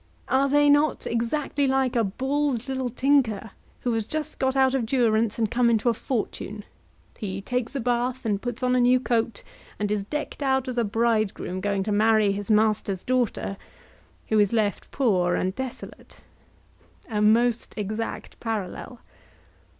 Are they not exactly like a bald little tinker who has just got out of durance and come into a fortune; he takes a bath and puts on a new coat, and is decked out as a bridegroom going to marry his master's daughter, who is left poor and desolate? A most exact parallel.